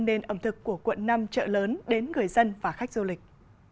nền ẩm thực của quận năm chợ lớn đến người dân và khách du lịch